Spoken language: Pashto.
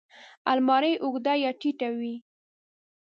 الماري اوږده یا ټیټه وي